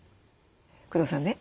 工藤さんね